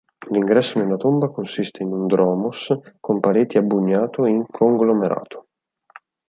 L'ingresso della tomba consiste in un dromos con pareti a bugnato in conglomerato.